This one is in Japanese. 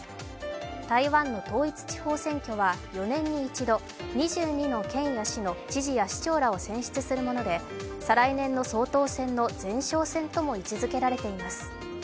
台湾の統一地方選挙は４年に一度、２２の県や市の知事や市長らを選出するもので再来年の総統選の前哨戦とも位置づけられています。